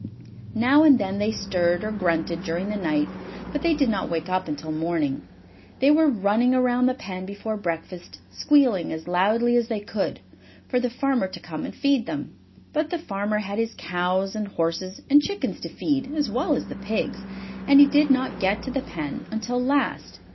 Now and then they stirred, or grunted during the night, but they did not wake up until morning. They were running around the pen before breakfast, squealing as loudly as they could, for the farmer to come and feed them. But the farmer had his cows and horses and chickens to feed, as well as the pigs, and he did not get to the pen until last.